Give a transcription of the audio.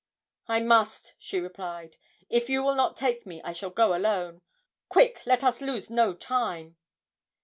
'I must,' she replied; 'if you will not take me I shall go alone quick, let us lose no time!'